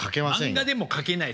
漫画でも描けないっすよ